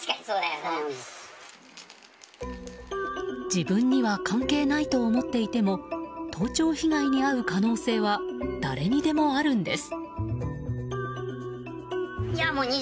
自分には関係ないと思っていても盗聴被害に遭う可能性は誰にでもあるんです。